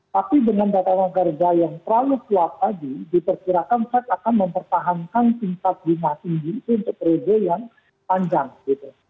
tapi dengan data warga yang terlalu kuat tadi diperkirakan sac akan mempertahankan tingkat jumlah tinggi untuk kerja yang panjang gitu